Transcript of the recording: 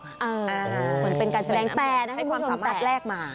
เหมือนเป็นการแสดงแต่นะให้ความสามารถแลกมา